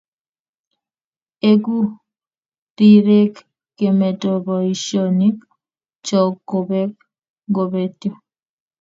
Eku rirek kemeto boishionik chok kobek kobetyo